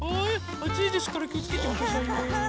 あついですからきをつけてくださいね。